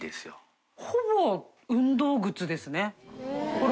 ほら。